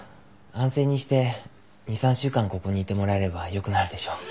安静にして２、３週間ここにいてもらえればよくなるでしょう。